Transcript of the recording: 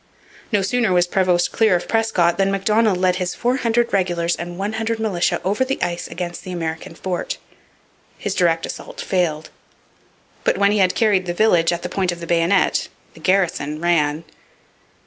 No sooner was Prevost clear of Prescott than Macdonell led his four hundred regulars and one hundred militia over the ice against the American fort. His direct assault failed. But when he had carried the village at the point of the bayonet the garrison ran.